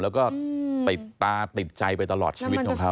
แล้วก็ติดตาติดใจไปตลอดชีวิตของเขา